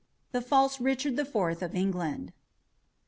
THE FALSE RICHARD THE FOURTH OF ENGLAND.